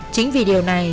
chính vì điều này